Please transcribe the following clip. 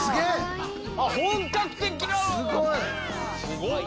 すごい！